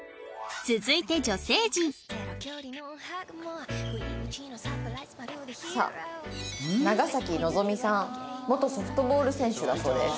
続いて女性陣さあ長望未さん元ソフトボール選手だそうです。